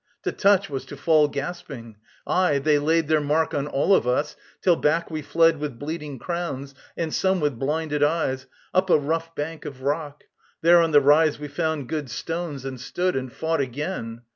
To touch was to fall gasping! Aye, they laid Their mark on all of us, till back we fled With bleeding crowns, and some with blinded eyes, Up a rough bank of rock. There on the rise We found good stones and stood, and fought again.